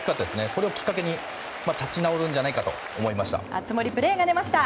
これをきっかけに立ち直るんじゃないかと思いました。